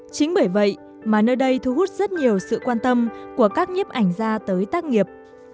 chính bởi vậy mà nơi đây thu hút rất nhiều sự quan tâm của các nhiếp ảnh gia tới tác nghiệp